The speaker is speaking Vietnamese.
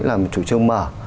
là một chủ trương mở